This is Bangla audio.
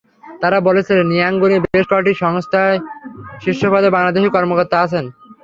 তাঁরা বলেছিলেন, ইয়াঙ্গুনে বেশ কটি সংস্থায় শীর্ষ পদে বাংলাদেশি কর্মকর্তা আছেন।